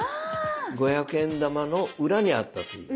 ５００円玉の裏にあったという。